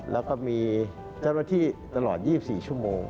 แล้วก็มีเจ้าหน้าที่ตลอด๒๔ชั่วโมง